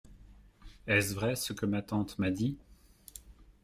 Est-ce vrai ce que ma tante m’a dit ?